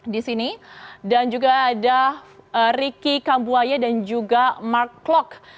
di sini dan juga ada riki kambuaya dan juga mark klock